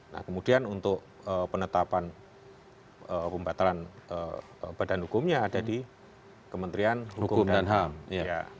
nah kemudian untuk penetapan pembatalan badan hukumnya ada di kementerian hukum dan ham